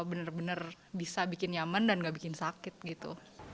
jadi benar benar bisa bikin nyaman dan gak bikin sakit gitu